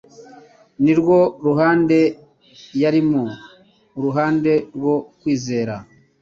ni rwo ruhande yarimo, uruhande rwo kwizera.